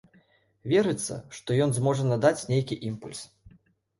Верыцца, што ён зможа надаць нейкі імпульс.